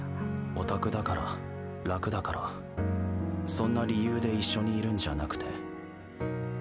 ヲタクだから楽だからそんな理由で一緒にいるんじゃなくて。